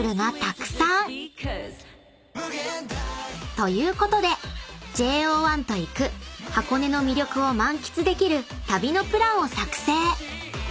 ［ということでＪＯ１と行く箱根の魅力を満喫できる旅のプランを作成］